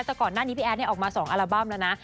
แต่ก่อนหน้านี้พี่แอดออกมา๒อัลบั้มแล้วนะ